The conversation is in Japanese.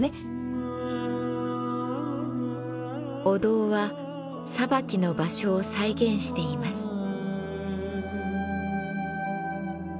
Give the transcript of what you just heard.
お堂は裁きの場所を再現しています。